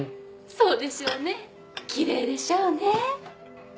そうでしょうね奇麗でしょうね。